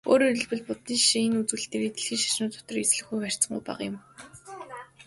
Өөрөөр хэлбэл, буддын шашин энэ үзүүлэлтээрээ дэлхийн шашнууд дотор эзлэх хувь харьцангуй бага юм.